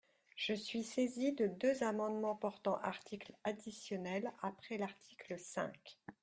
Je suis saisie de deux amendements portant articles additionnels après l’article cinq.